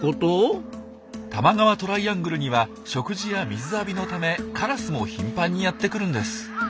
多摩川トライアングルには食事や水浴びのためカラスも頻繁にやって来るんです。